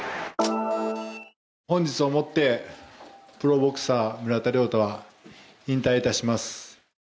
本日をもってプロボクサー村田諒太は引退いたします。